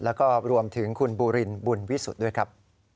แล้วก็รวมถึงคุณบูรินบุญวิสุทธิ์ด้วยครับ